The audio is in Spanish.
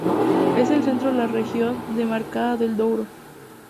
Es el centro de la región demarcada del Douro.